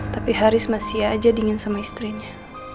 tapi haris masih aja dingin sama istrinya